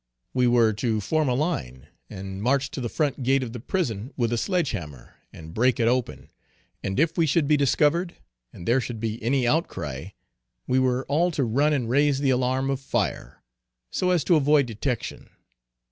We were to form a line and march to the front gate of the prison with a sledge hammer, and break it open, and if we should be discovered, and there should be any out cry, we were all to run and raise the alarm of fire, so as to avoid detection.